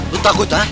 lo takut ah